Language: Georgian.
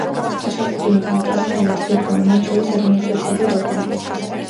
პაჩაკუტიმ გაატარა არაერთი რეფორმა, მათ შორის ადმინისტრაციული რეფორმა.